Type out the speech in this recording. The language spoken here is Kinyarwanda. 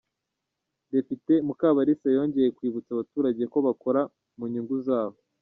Depite Mukabalisa yongeye kwibutsa abaturage ko bakora mu nyungu zabo.